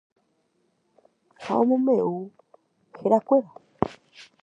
ha omombe'u herakuéra.